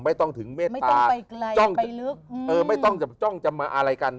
ไม่ต้องถึงเมษไม่ต้องไปไกลจ้องไปลึกเออไม่ต้องจะจ้องจะมาอะไรกัน